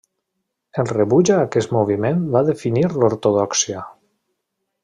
El rebuig a aquest moviment va definir l'ortodòxia.